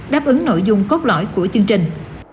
đáp ứng nội dung cốt lõi của chương trình